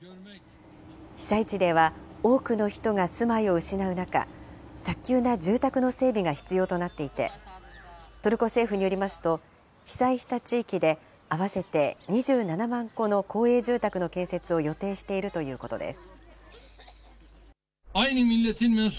被災地では多くの人が住まいを失う中、早急な住宅の整備が必要となっていて、トルコ政府によりますと、被災した地域で合わせて２７万戸の公営住宅の建設を予定しているということです。